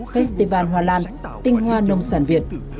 festival hoa lan tinh hoa nông sản việt